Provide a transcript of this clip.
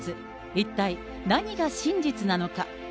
一体、何が真実なのか。